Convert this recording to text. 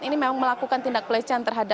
ini yang seharusnya